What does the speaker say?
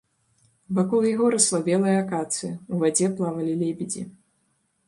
Вакол яго расла белая акацыя, у вадзе плавалі лебедзі.